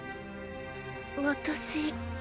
私。